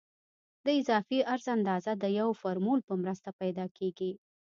د اضافي عرض اندازه د یو فورمول په مرسته پیدا کیږي